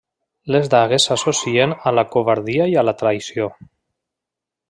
Les dagues s'associen a la covardia i la traïció.